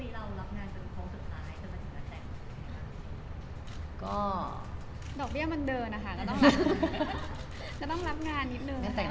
แล้วถึงทุกที่เรารับงานจนไม้สุดท้าย